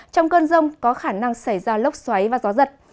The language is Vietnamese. trong cơn rông có khả năng xảy ra lốc xoáy và gió giật